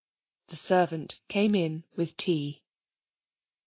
The servant came in with tea.